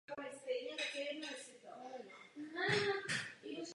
Nezákonné využívání přírodních zdrojů je dalším velkým problémem.